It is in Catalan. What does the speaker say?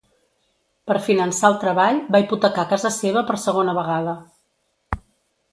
Per finançar el treball, va hipotecar casa seva per segona vegada.